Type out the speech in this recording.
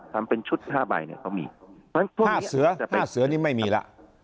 ทำเป็นชุดห้าใบเนี่ยเขามีห้าเสือนี่ไม่มีล่ะ